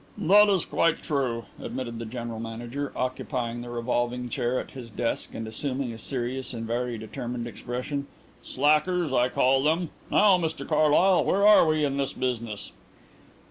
'" "That's quite true," admitted the General Manager, occupying the revolving chair at his desk and assuming a serious and very determined expression. "Slackers, I call them. Now, Mr Carlyle, where are we in this business?"